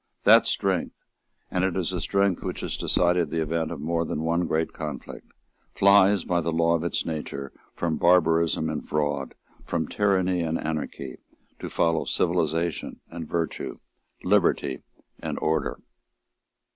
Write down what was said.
That strength, and it is a strength which has decided the event of more than one great conflict, flies, by the law of its nature, from barbarism and fraud, from tyranny and anarchy, to follow civilisation and virtue, liberty and order.